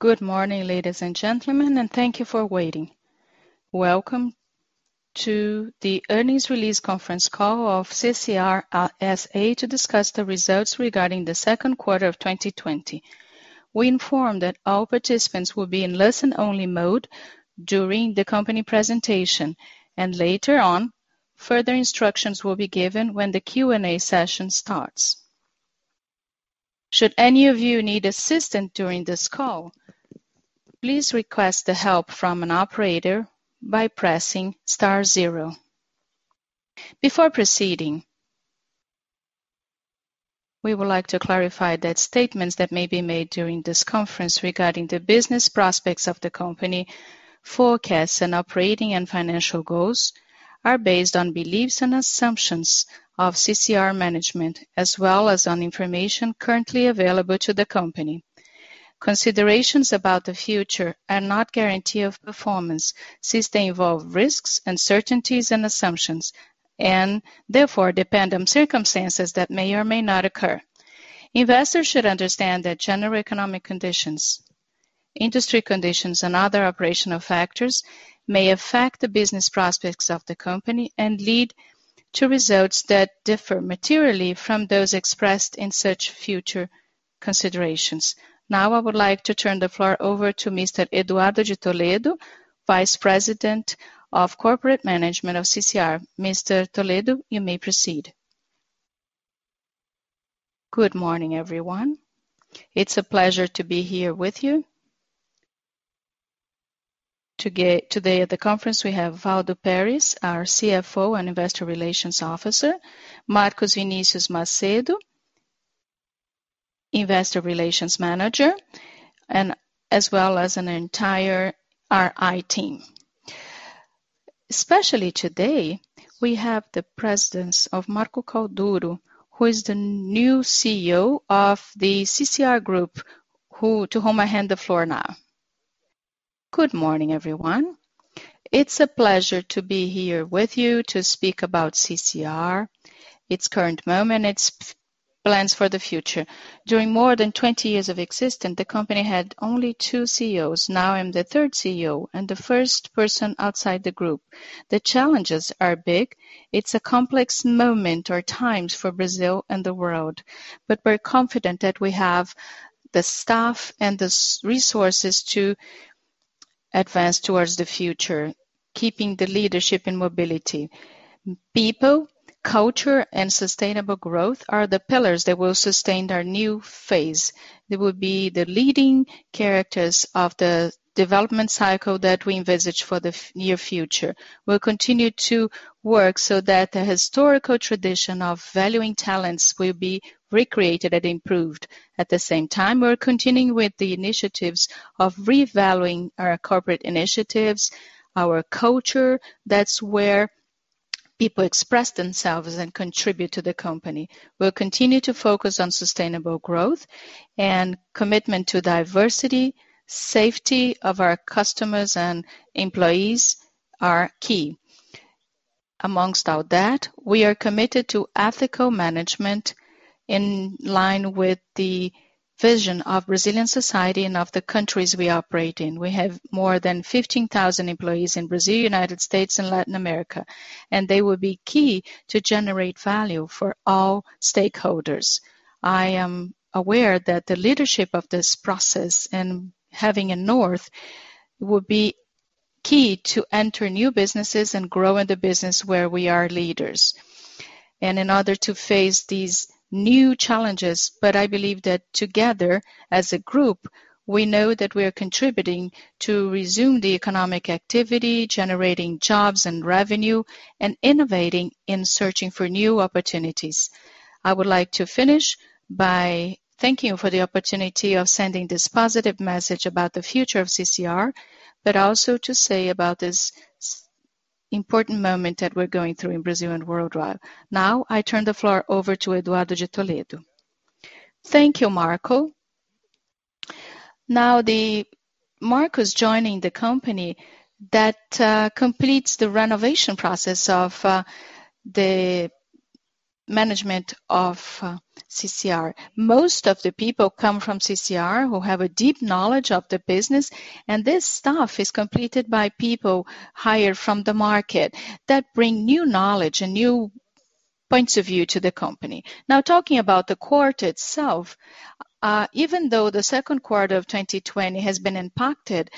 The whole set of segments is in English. Good morning, ladies and gentlemen. Thank you for waiting. Welcome to the earnings release conference call of CCR S.A. to discuss the results regarding the Q2 of 2020. We inform that all participants will be in listen only mode during the company presentation, and later on, further instructions will be given when the Q&A session starts. Should any of you need assistance during this call, please request the help from an operator by pressing star zero. Before proceeding, we would like to clarify that statements that may be made during this conference regarding the business prospects of the company, forecasts, and operating and financial goals are based on beliefs and assumptions of CCR management, as well as on information currently available to the company. Considerations about the future are not guarantee of performance since they involve risks, uncertainties, and assumptions, and therefore depend on circumstances that may or may not occur. investors should understand that general economic conditions, industry conditions, and other operational factors may affect the business prospects of the company and lead to results that differ materially from those expressed in such future considerations. Now I would like to turn the floor over to Mr. Eduardo de Toledo, Vice President of Corporate Management of CCR. Mr. Toledo, you may proceed. Good morning, everyone. It's a pleasure to be here with you. Today at the conference we have Waldo Perez, our CFO and Investor Relations Officer, Marcus Vinicius Macedo, Investor Relations Manager, as well as an entire RI team. Especially today, we have the presence of Marco Cauduro, who is the new CEO of the CCR group, to whom I hand the floor now. Good morning, everyone. It's a pleasure to be here with you to speak about CCR, its current moment, its plans for the future. During more than 20 years of existence, the company had only two CEOs. now I'm the third CEO and the first person outside the group. The challenges are big. It's a complex moment or times for Brazil and the world. We're confident that we have the staff and the resources to advance towards the future, keeping the leadership in mobility. People, culture, and sustainable growth are the pillars that will sustain our new phase. They will be the leading characters of the development cycle that we envisage for the near future. We'll continue to work so that the historical tradition of valuing talents will be recreated and improved. At the same time, we're continuing with the initiatives of revaluing our corporate initiatives, our culture that's where people express themselves and contribute to the company. We'll continue to focus on sustainable growth and commitment to diversity, safety of our customers and employees are key. Amongst all that, we are committed to ethical management in line with the vision of Brazilian society and of the countries we operate in we have more than 15,000 employees in Brazil, U.S., and Latin America, and they will be key to generate value for all stakeholders. I am aware that the leadership of this process and having a north will be key to enter new businesses and grow in the business where we are leaders. And in order to face these new challenges but i believe that together, as a group, we know that we are contributing to resume the economic activity, generating jobs and revenue, and innovating in searching for new opportunities. I would like to finish by thanking you for the opportunity of sending this positive message about the future of CCR, but also to say about this important moment that we're going through in Brazil and worldwide. I turn the floor over to Eduardo de Toledo. Thank you, Marco. That Marco's joining the company, that completes the renovation process of the management of CCR. Most of the people come from CCR, who have a deep knowledge of the business, and this staff is completed by people hired from the market that bring new knowledge and new points of view to the company. Talking about the quarter itself, even though Q2 2020 has been impacted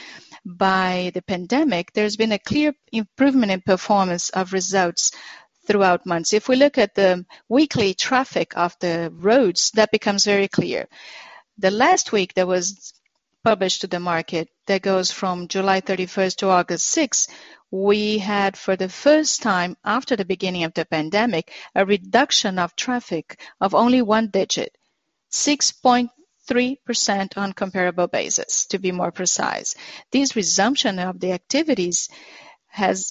by the pandemic, there's been a clear improvement in performance of results throughout months, if we look at the weekly traffic of the roads, that becomes very clear. The last week that was published to the market, that goes from 31 July to 6 August, we had, for the first time after the beginning of the pandemic, a reduction of traffic of only one digit, 6.3% on comparable basis, to be more precise. This resumption of the activities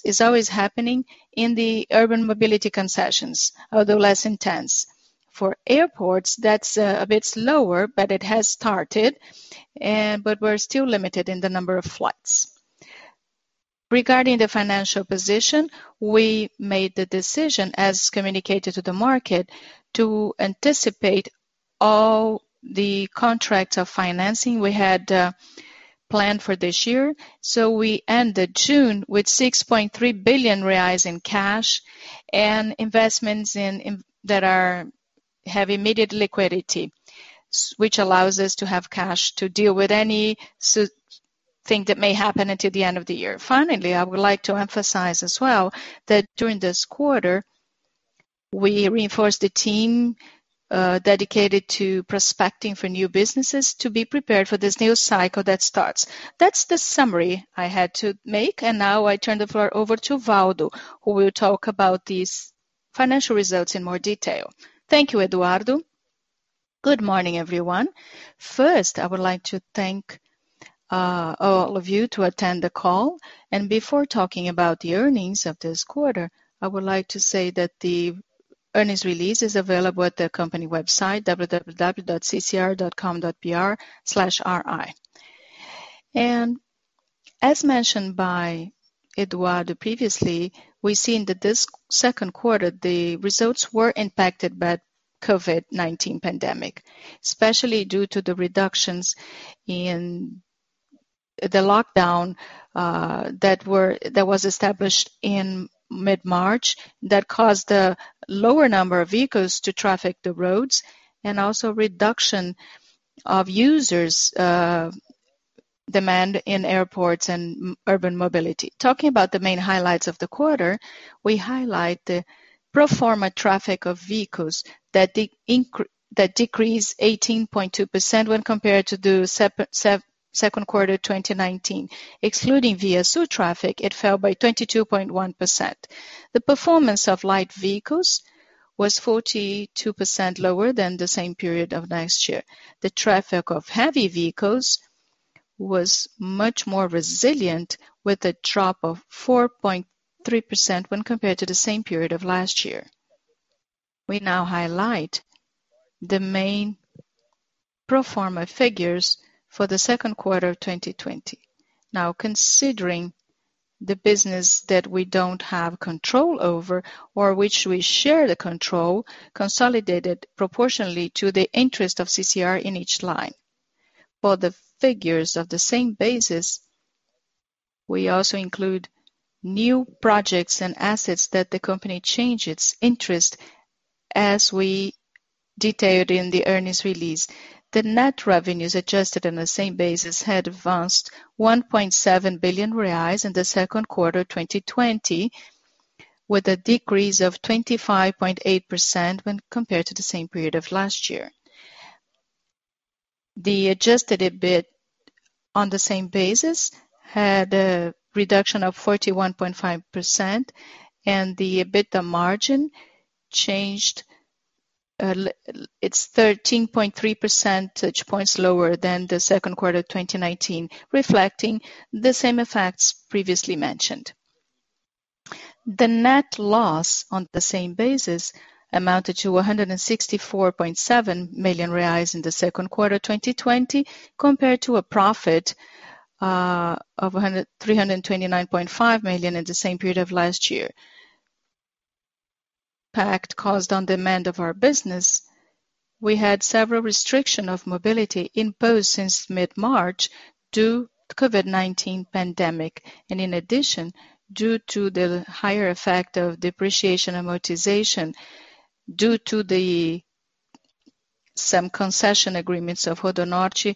is always happening in the urban mobility concessions, although less intense. For airports, that's a bit slower, but it has started. We're still limited in the number of flights. Regarding the financial position, we made the decision, as communicated to the market, to anticipate all the contracts of financing we had planned for this year. We ended June with 6.3 billion reais in cash and investments that have immediate liquidity, which allows us to have cash to deal with anything that may happen until the end of the year finally, I would like to emphasize as well that during this quarter- -we reinforced the team dedicated to prospecting for new businesses to be prepared for this new cycle that starts. That's the summary I had to make, and now I turn the floor over to Waldo, who will talk about these financial results in more detail. Thank you, Eduardo. Good morning, everyone first, I would like to thank all of you to attend the call. Before talking about the earnings of this quarter, I would like to say that the earnings release is available at the company website, www.ccr.com.br/ri. As mentioned by Eduardo previously, we've seen that this Q2, the results were impacted by COVID-19 pandemic, especially due to the reductions in the lockdown that was established in mid-March that caused a lower number of vehicles to traffic the roads, and also reduction of users' demand in airports and urban mobility talking about the main highlights of the quarter- -we highlight the pro forma traffic of vehicles that decreased 18.2% when compared to the Q2 2019. Excluding ViaSul traffic, it fell by 22.1%. The performance of light vehicles was 42% lower than the same period of last year. The traffic of heavy vehicles was much more resilient, with a drop of 4.3% when compared to the same period of last year. We now highlight the main pro forma figures for the Q2 of 2020, now considering the business that we don't have control over or which we share the control, consolidated proportionally to the interest of CCR in each line. For the figures of the same basis, we also include new projects and assets that the company changed its interest as we detailed in the earnings release. The net revenues adjusted on the same basis had advanced 1.7 billion reais in the Q2 2020, with a decrease of 25.8% when compared to the same period of last year. The adjusted EBITDA on the same basis had a reduction of 41.5%. The EBITDA margin changed. It's 13.3 percentage points lower than the Q2 2019, reflecting the same effects previously mentioned. The net loss on the same basis amounted to 164.7 million reais in the Q2 2020, compared to a profit of 329.5 million in the same period of last year. Impact caused on demand of our business, we had several restriction of mobility imposed since mid-March due COVID-19 pandemic, and in addition, due to the higher effect of depreciation amortization due to some concession agreements of RodoNorte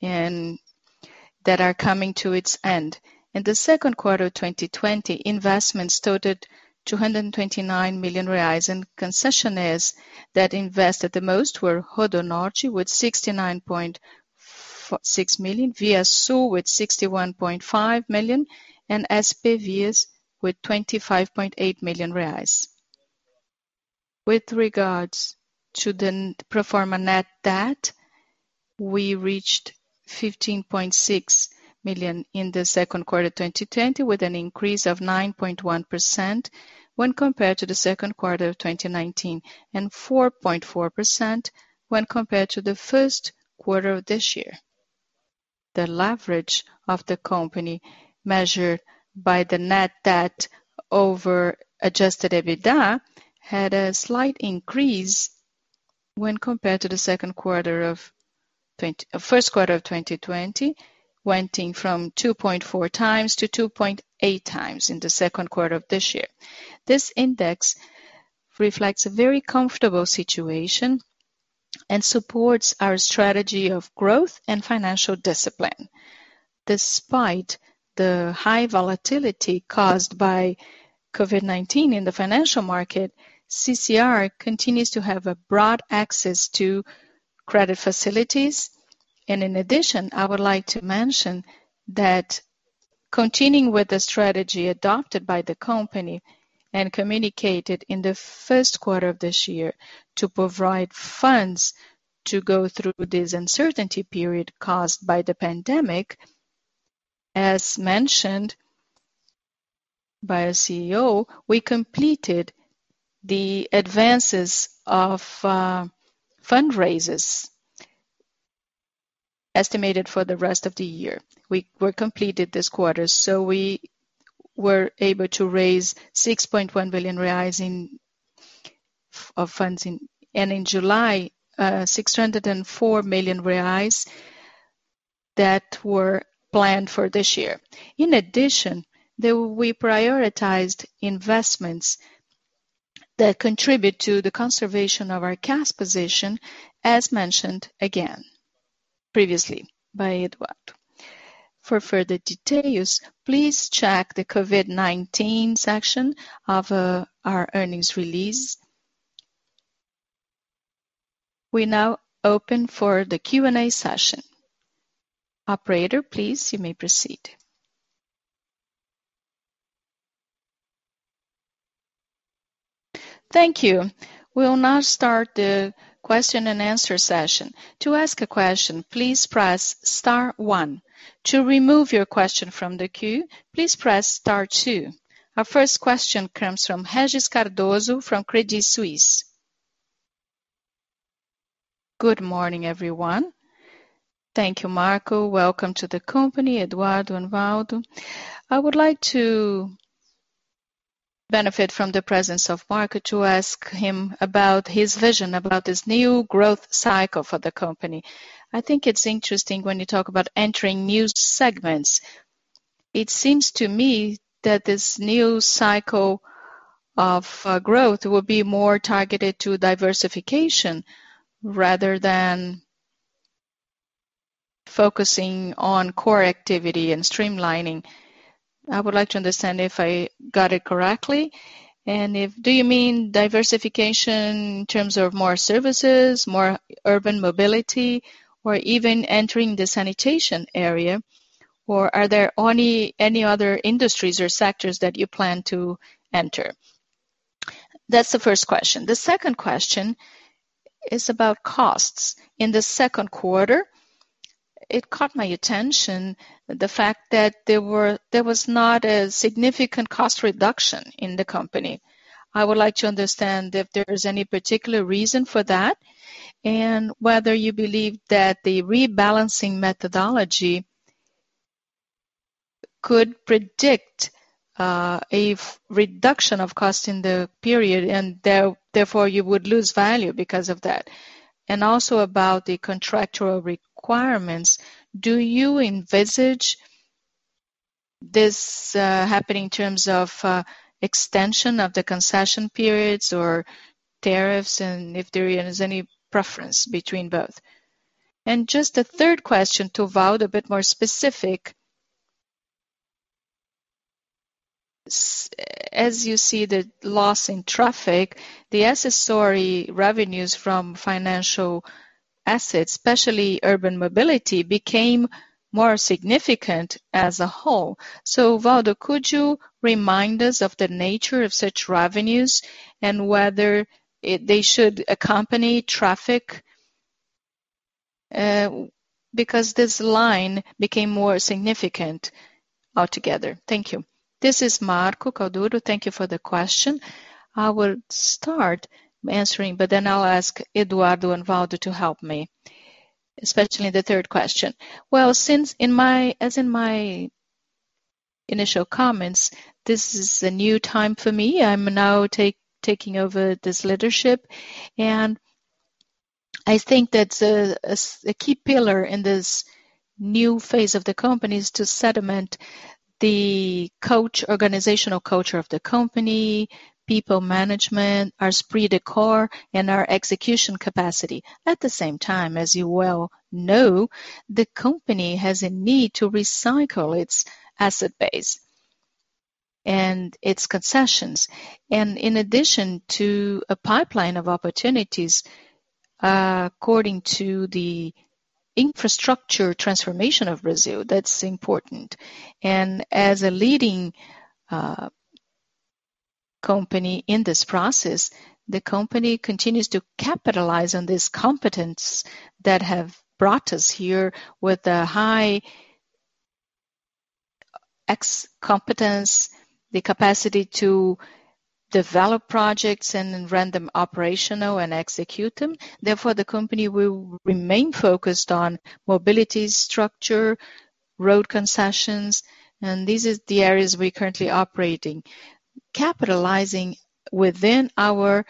that are coming to its end. In the Q2 2020, investments totaled 229 million reais, and concessionaires that invested the most were RodoNorte with 69.6 million, ViaSul with 61.5 million, and SPVias with 25.8 million reais. With regards to the pro forma net debt, we reached 15.6 million in the Q2 2020, with an increase of 9.1% when compared to the Q2 of 2019, and 4.4% when compared to the Q1 of this year. The leverage of the company, measured by the net debt over adjusted EBITDA, had a slight increase when compared to the Q1 of 2020, went from 2.4x to 2.8x in the Q2 of this year. This index reflects a very comfortable situation and supports our strategy of growth and financial discipline. Despite the high volatility caused by COVID-19 in the financial market, CCR continues to have a broad access to credit facilities. In addition, I would like to mention that continuing with the strategy adopted by the company and communicated in the Q1 of this year to provide funds to go through this uncertainty period caused by the pandemic, as mentioned by our CEO, we completed the advances of fundraises- -estimated for the rest of the year we completed this quarter, we were able to raise 6.1 billion reais of funds in July, 604 million reais that were planned for this year. In addition, we prioritized investments that contribute to the conservation of our cash position, as mentioned again previously by Eduardo. For further details, please check the COVID-19 section of our earnings release. We're now open for the Q&A session. Operator, please, you may proceed. Thank you. We'll now start the question and answer session. To ask a question, please press star one. To remove your question from the queue, please press star two. Our first question comes from Regis Cardoso from Credit Suisse. Good morning, everyone. Thank you, Marco welcome to the company, Eduardo and Waldo. I would like to benefit from the presence of Marco to ask him about his vision about this new growth cycle for the company. I think it's interesting when you talk about entering new segments. It seems to me that this new cycle of growth will be more targeted to diversification rather than focusing on core activity and streamlining. I would like to understand if I got it correctly. Do you mean diversification in terms of more services? more urban mobility? Or even entering the sanitation area? Are there any other industries or sectors that you plan to enter? That's the first question the second question is about costs. In the Q2, it caught my attention the fact that there was not a significant cost reduction in the company. I would like to understand if there is any particular reason for that, and whether you believe that the rebalancing methodology could predict a reduction of cost in the period, and therefore you would lose value because of that. Also about the contractual requirements. Do you envisage this happening in terms of extension of the concession periods? or tariffs? and if there is any preference between both? Just a third question to Waldo, a bit more specific as you see the loss in traffic, the accessory revenues from financial assets, especially urban mobility, became more significant as a whole. Waldo, could you remind us of the nature of such revenues and whether they should accompany traffic, because this line became more significant altogether. Thank you. This is Marco Cauduro thank you for the question. I will start answering, but then I'll ask Eduardo and Waldo to help me, especially the third question well, as in my initial comments, this is a new time for me im now taking over this leadership. I think that a key pillar in this new phase of the company is to sediment the organizational culture of the company, people management, our esprit de corps, and our execution capacity. At the same time, as you well know, the company has a need to recycle its asset base and its concessions. In addition to a pipeline of opportunities, according to the infrastructure transformation of Brazil, that's important. As a leading company in this process, the company continues to capitalize on these competence that have brought us here with a high competence, the capacity to develop projects and render them operational and execute them. Therefore, the company will remain focused on mobility structure, road concessions, and these are the areas we're currently operating, capitalizing within our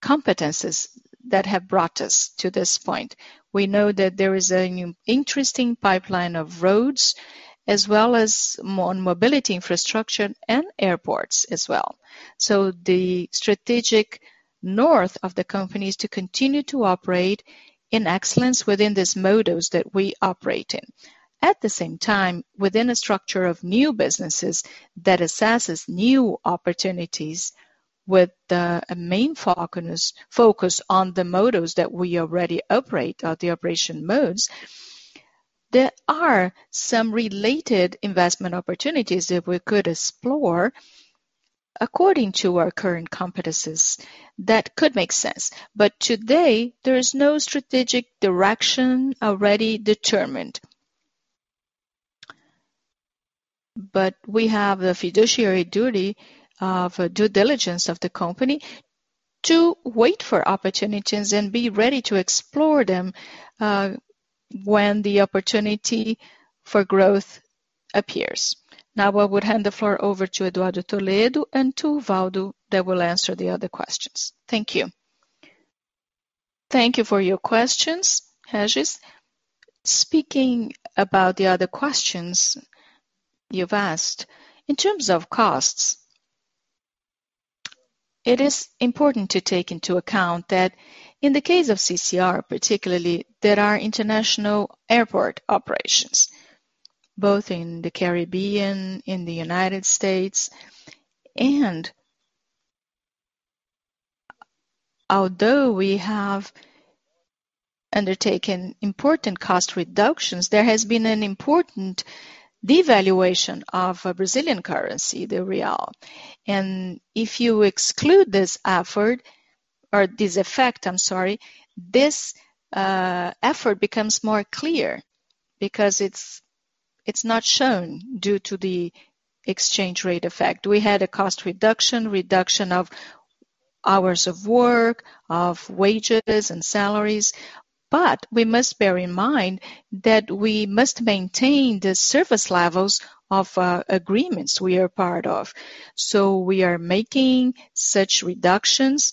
competencies that have brought us to this point. We know that there is an interesting pipeline of roads, as well as mobility infrastructure and airports as well. The strategic north of the company is to continue to operate in excellence within these modus that we operate in. At the same time, within a structure of new businesses that assesses new opportunities with a main focus on the modus that we already operate, or the operation modes, there are some related investment opportunities that we could explore according to our current competencies that could make sense but today, there is no strategic direction already determined. But we have the fiduciary duty of due diligence of the company to wait for opportunities and be ready to explore them when the opportunity for growth appears. Now I would hand the floor over to Eduardo de Toledo and to Waldo that will answer the other questions. Thank you. Thank you for your questions, Regis. Speaking about the other questions you've asked, in terms of costs, it is important to take into account that in the case of CCR particularly, there are international airport operations, both in the Caribbean, in the United States, and although we have undertaken important cost reductions, there has been an important devaluation of a Brazilian currency, the real. If you exclude this effort or this effect, I'm sorry, this effort becomes more clear because it's not shown due to the exchange rate effect we had a cost reduction of hours of work, of wages and salaries but, we must bear in mind that we must maintain the service levels of agreements we are part of. So we are making such reductions,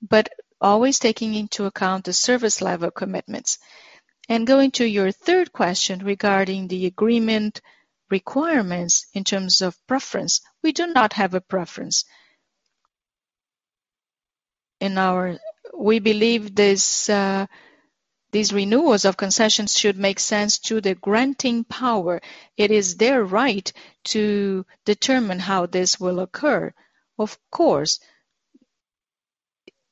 but always taking into account the service level commitments. Going to your third question regarding the agreement requirements in terms of preference, we do not have a preference. We believe these renewals of concessions should make sense to the granting power. It is their right to determine how this will occur, of course-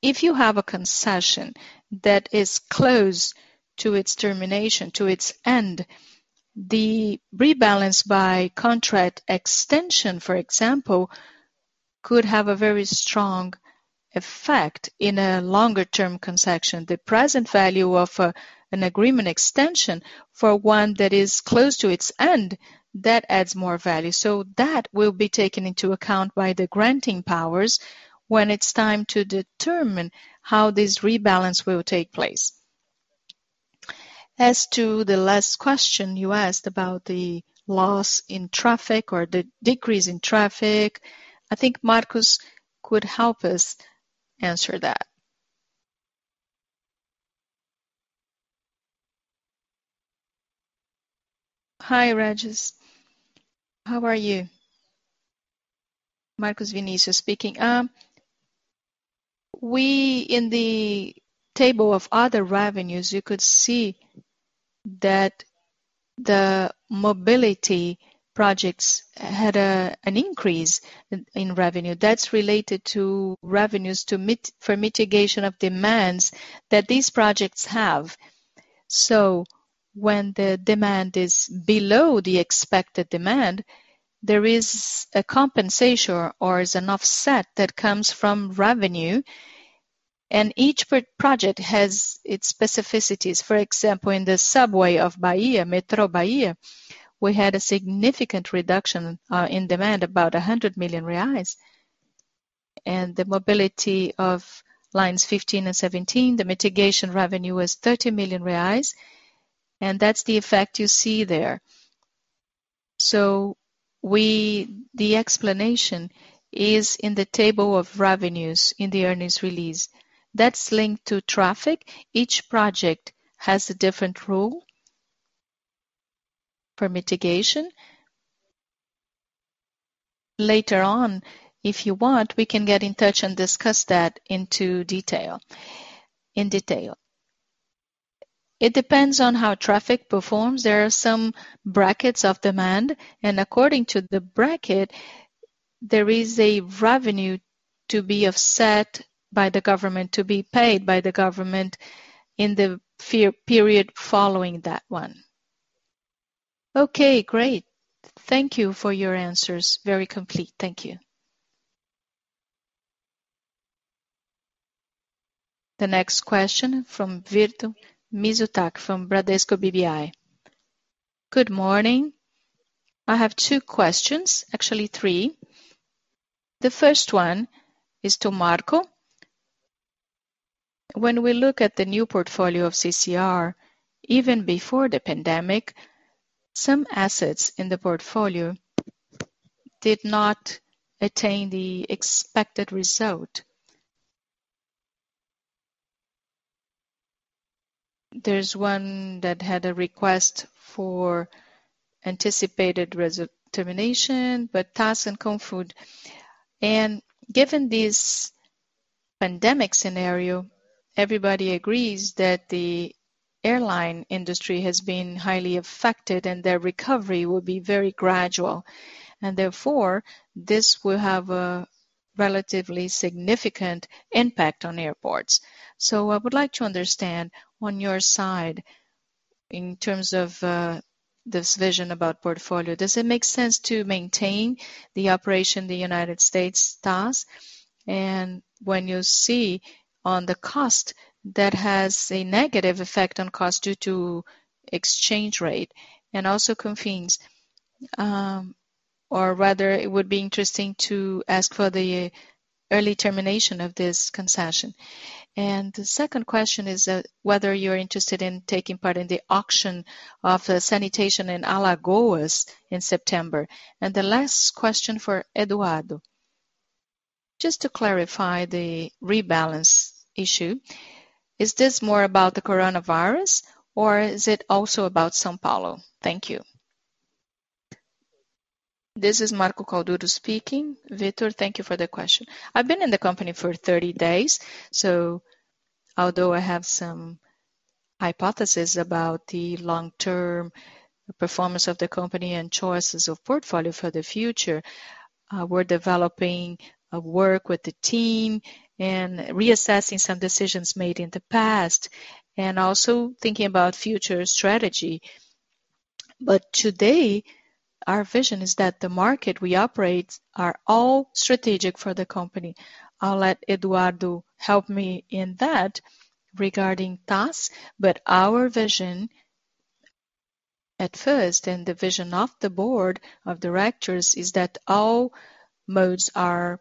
-if you have a concession that is close to its termination, to its end, the rebalance by contract extension, for example, could have a very strong effect in a longer-term concession the present value of an agreement extension for one that is close to its end, that adds more value so that will be taken into account by the granting powers when it's time to determine how this rebalance will take place. As to the last question you asked about the loss in traffic or the decrease in traffic, I think Marcus could help us answer that. Hi, Regis. How are you? Marcus Vinicius speaking. In the table of other revenues, you could see that the mobility projects had an increase in revenue that's related to revenues for mitigation of demands that these projects have. When the demand is below the expected demand, there is a compensation or is an offset that comes from revenue, and each project has its specificities for example, in the subway of Bahia, Metrô Bahia. We had a significant reduction in demand, about 100 million reais. The mobility of Lines 15 and 17, the mitigation revenue was 30 million reais, and that's the effect you see there. The explanation is in the table of revenues in the earnings release. That's linked to traffic, each project has a different rule for mitigation. Later on, if you want, we can get in touch and discuss that in detail. It depends on how traffic performs there are some brackets of demand, and according to the bracket, there is a revenue to be offset by the government, to be paid by the government in the period following that one. Okay, great. Thank you for your answers very complete. Thank you. The next question from Victor Mizusaki from Bradesco BBI. Good morning. I have two questions, actually three. The first one is to Marco. When we look at the new portfolio of CCR, even before the pandemic, some assets in the portfolio did not attain the expected result. There's one that had a request for anticipated termination, but TAS and Confins. Given this pandemic scenario, everybody agrees that the airline industry has been highly affected and their recovery will be very gradual, and therefore, this will have a relatively significant impact on airports. I would like to understand on your side, in terms of this vision about portfolio, does it make sense to maintain the operation the U.S. TAS? When you see on the cost that has a negative effect on cost due to exchange rate and also Confins. Or rather, it would be interesting to ask for the early termination of this concession. The second question is whether you're interested in taking part in the auction of sanitation in Alagoas in September. The last question for Eduardo, just to clarify the rebalance issue, is this more about the Coronavirus or is it also about São Paulo? Thank you. This is Marco Cauduro speaking. Victor, thank you for the question. I've been in the company for 30 days, although I have some hypotheses about the long-term performance of the company and choices of portfolio for the future, we're developing a work with the team and reassessing some decisions made in the past, and also thinking about future strategy. Today, our vision is that the market we operate are all strategic for the company. I'll let Eduardo help me in that regarding TAS, our vision at first, and the vision of the Board of Directors, is that all modes are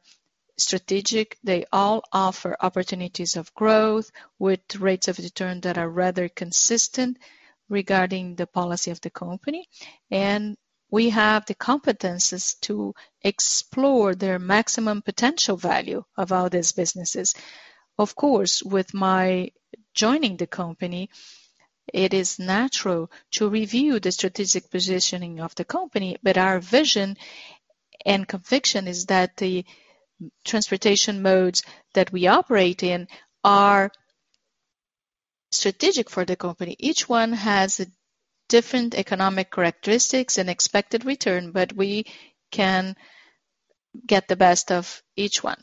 strategic. They all offer opportunities of growth with rates of return that are rather consistent regarding the policy of the company and, we have the competencies to explore their maximum potential value of all these businesses. Of course, with my joining the company, it is natural to review the strategic positioning of the company, but our vision and conviction is that the transportation modes that we operate in are strategic for the company each one has different economic characteristics and expected return, but we can get the best of each one.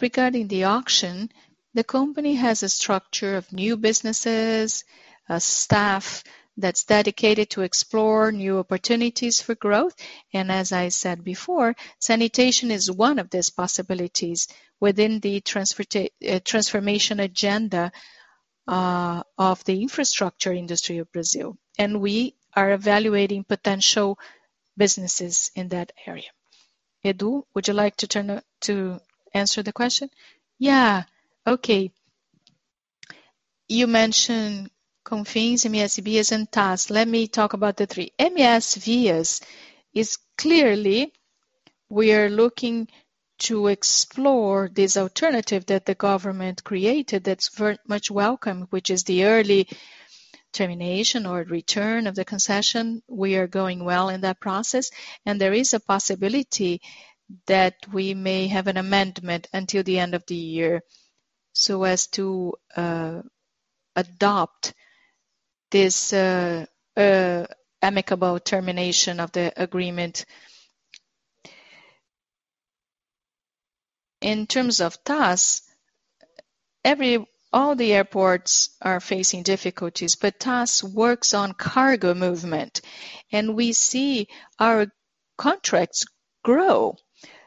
Regarding the auction, the company has a structure of new businesses, a staff that's dedicated to explore new opportunities for growth, and as I said before, sanitation is one of these possibilities within the transformation agenda of the infrastructure industry of Brazil, and we are evaluating potential businesses in that area. Edu, would you like to answer the question? Yeah. Okay. You mentioned Confins, MSVias, and TAS let me talk about the three CCR MSVia is clearly, we are looking to explore this alternative that the government created that's very much welcome, which is the early termination or return of the concession. We are going well in that process, and there is a possibility that we may have an amendment until the end of the year, so as to adopt this amicable termination of the agreement. In terms of TAS, all the airports are facing difficulties, but TAS works on cargo movement, and we see our contracts grow,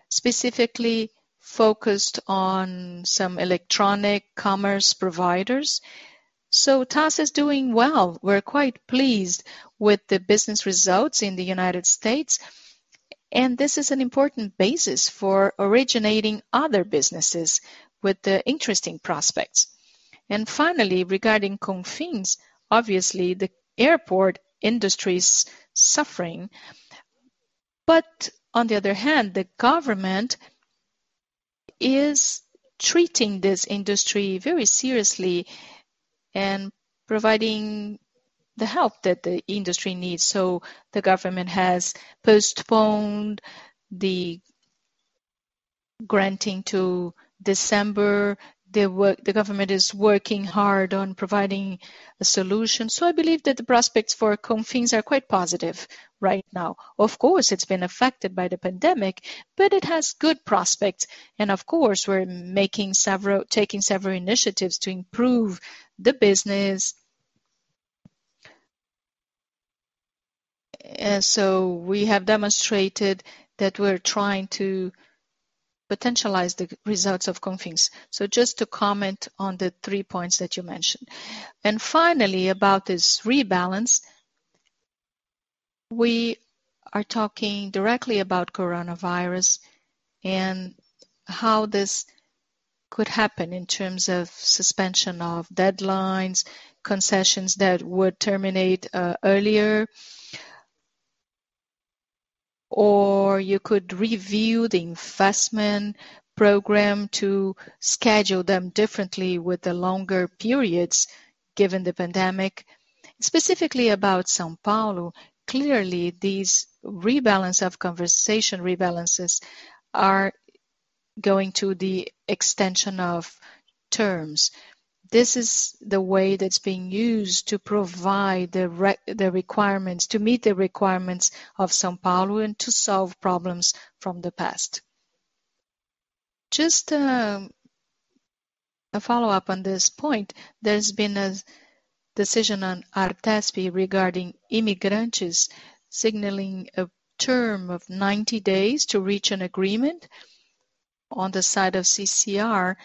specifically focused on some electronic commerce providers. TAS is doing well, we're quite pleased with the business results in the U.S., and this is an important basis for originating other businesses with interesting prospects. Finally, regarding Confins, obviously, the airport industry's suffering. On the other hand, the government is treating this industry very seriously and providing the help that the industry needs so the government has postponed the granting to December, the government is working hard on providing a solution so i believe that the prospects for Confins are quite positive right now. Of course, it's been affected by the pandemic, but it has good prospects, and of course, we're taking several initiatives to improve the business. We have demonstrated that we're trying to potentialize the results of Confins. Just to comment on the three points that you mentioned. Finally, about this rebalance, we are talking directly about Coronavirus and how this could happen in terms of suspension of deadlines, concessions that would terminate earlier. You could review the investment program to schedule them differently with the longer periods given the pandemic. Specifically about São Paulo, clearly, these conversation rebalances are going to the extension of terms. This is the way that's being used to meet the requirements of São Paulo and to solve problems from the past. Just a follow-up on this point, there's been a decision on ARTESP regarding Imigrantes signaling a term of 90 days to reach an agreement on the side of CCR.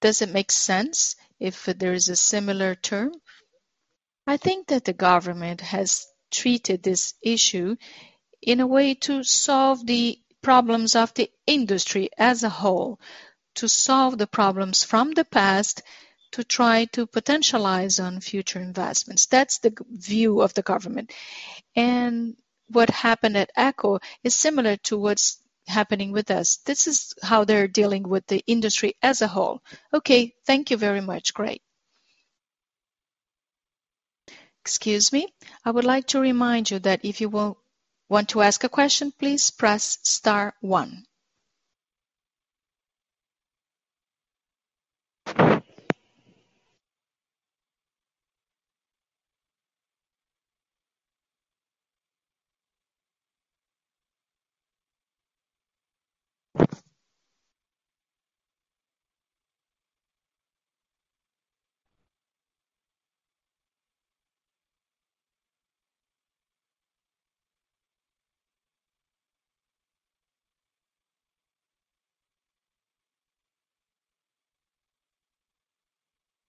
Does it make sense if there is a similar term? I think that the government has treated this issue in a way to solve the problems of the industry as a whole, to solve the problems from the past, to try to potentialize on future investments that's the view of the government. What happened at EcoRodovias is similar to what's happening with us this is how they're dealing with the industry as a whole. Okay. Thank you very much. Great. Excuse me. I would like to remind you that if you want to ask a question, please press star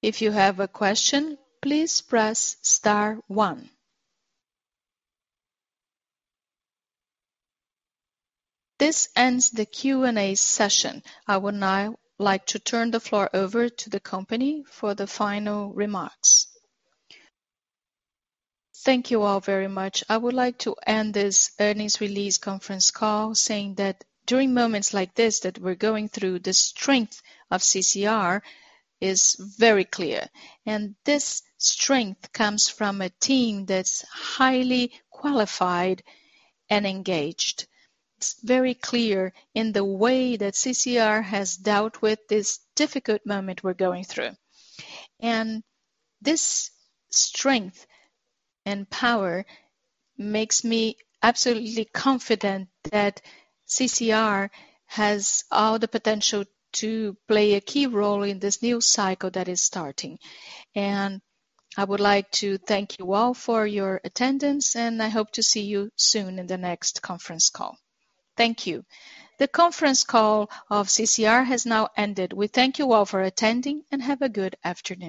one. Thank you all very much. I would like to end this earnings release conference call saying that during moments like this, that we're going through, the strength of CCR is very clear and this strength comes from a team that's highly qualified and engaged. It's very clear in the way that CCR has dealt with this difficult moment we're going through. This strength and power makes me absolutely confident that CCR has all the potential to play a key role in this new cycle that is starting. I would like to thank you all for your attendance, and I hope to see you soon in the next conference call. Thank you. The conference call of CCR has now ended. We thank you all for attending, and have a good afternoon.